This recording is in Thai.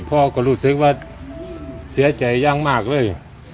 พ่อก็รู้สึกว่าเสียใจอย่างมากเลย